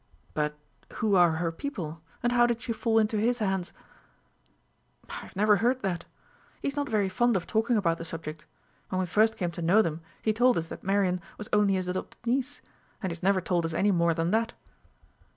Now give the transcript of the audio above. "But who are her people, and how did she fall into his hands?" "I have never heard that. He is not very fond of talking about the subject. When we first came to know them, he told us that Marian was only his adopted niece; and he has never told us any more than that."